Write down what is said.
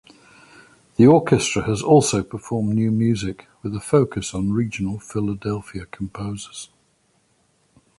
The orchestra has also performed new music, with a focus on regional Philadelphia composers.